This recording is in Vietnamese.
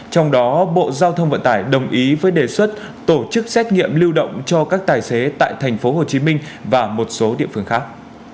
trong đó bộ giao thông vận tải đồng ý với đề xuất tổ chức xét nghiệm lưu động cho các tài xế tại tp hcm và một số địa phương khác